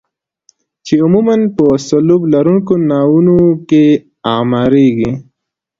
چې عموما په سلوب لرونکو ناوونو کې اعماریږي.